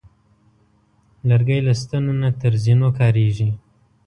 لرګی له ستنو نه تر زینو کارېږي.